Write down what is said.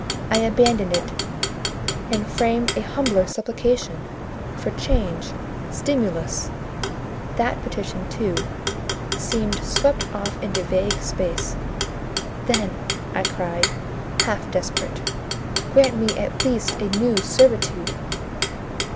I abandoned it and framed a humbler supplication; for change, stimulus: that petition, too, seemed swept off into vague space: "Then," I cried, half desperate, "grant me at least a new servitude!"